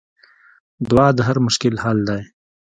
دعا د هر مشکل حل دی.